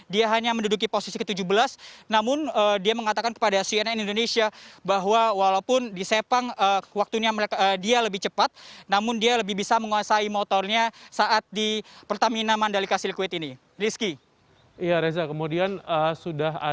dan di hari kedua